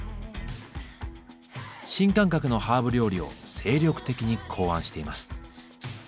新感覚のハーブ料理を精力的に考案しています。